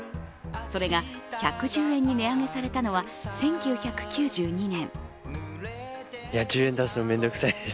それが１１０円に値上げされたのは１９９２年。